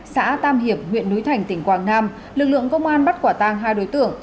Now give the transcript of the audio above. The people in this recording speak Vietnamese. xã tam hiệp huyện núi thành tỉnh quảng nam lực lượng công an bắt quả tang hai đối tượng